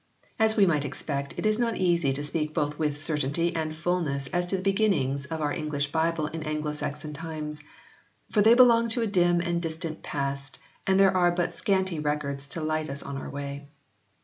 As we might expect it is not easy to speak both with certainty and fulness as to the beginnings of our English Bible in Anglo Saxon times. For they belong to a dim and distant past and there are but scanty records to light us on our way.